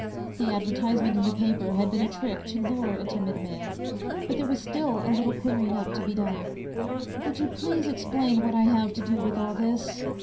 The advertisement in the paper had been a trick to lure a timid man. But there was still a little clearing up to be done. "Would you please explain what I have to do with all this?"